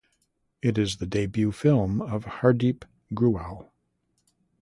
It is the debut film of Hardeep Grewal.